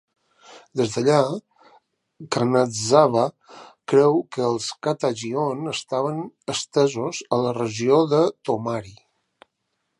Des d'allà, Kanazawa creu que els kata Jion estaven estesos a la regió de Tomari.